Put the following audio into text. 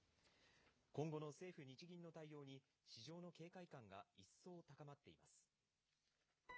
今後の政府・日銀の対応に、市場の警戒感が一層高まっています。